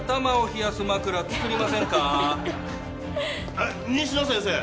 えっ西野先生